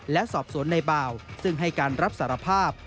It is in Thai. และสอบสวนในบ่าวซึ่งให้การรับสารภาพ